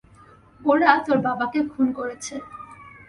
ওরা তোর বাবাকে খুন করেছে।